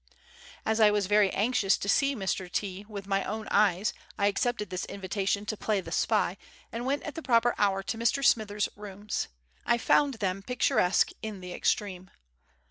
As I was very anxious to see Mr. T with my own eyes, I accepted this invitation to play the spy, and went at the proper hour to Mr. Smithers's rooms. I found them picturesque in the extreme.